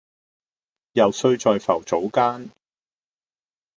揉碎在浮藻間